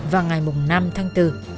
vào ngày năm tháng bốn